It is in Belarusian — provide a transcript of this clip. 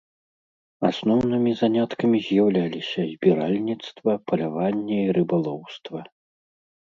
Асноўнымі заняткамі з'яўляліся збіральніцтва, паляванне і рыбалоўства.